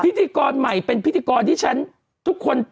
พิธีกรใหม่เป็นพิธีกรที่ฉันทุกคน